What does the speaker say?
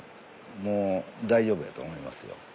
もう大丈夫やと思いますよ。